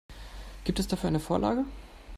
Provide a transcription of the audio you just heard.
Gibt es dafür eine Vorlage?